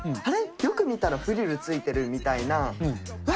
よく見たらフリルついてるみたいな、わっ、